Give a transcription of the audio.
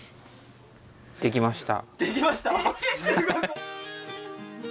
できました！？